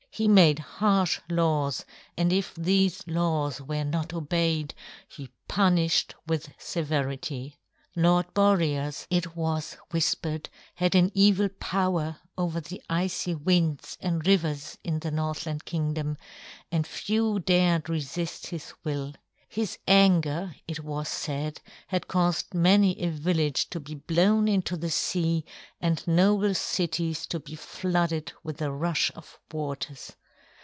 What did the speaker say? He made harsh laws, and if these laws were not obeyed, he punished with severity. Lord Boreas, it was whispered, had an evil power over the icy winds and rivers in the Northland Kingdom, and few dared resist his will. His anger, it was said, had caused many a village to be blown into the sea and noble cities to be flooded with a rush of waters.